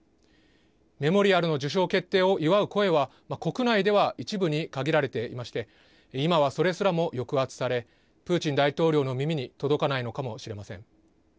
メモリアルの受賞決定を祝う声は国内では一部に限られていまして今は、それすらも抑圧されプーチン大統領の耳に届かないのかもしれません。